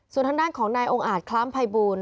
ส่วนทางด้านของนายองค์อาจคล้ามภัยบูล